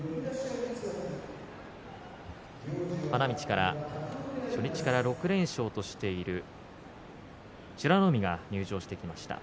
花道から初日から６連勝としている美ノ海が入場してきました。